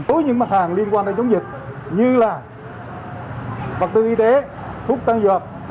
đối với những mặt hàng liên quan đến chống dịch như là vật tư y tế thuốc tân dược